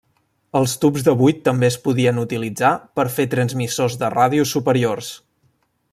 Els tubs de buit també es podien utilitzar per fer transmissors de ràdio superiors.